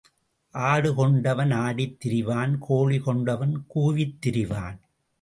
ஆடு கொண்டவன் ஆடித் திரிவான் கோழி கொண்டவன் கூவித் திரிவான்.